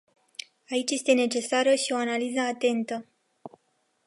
Aici este necesară și o analiză atentă.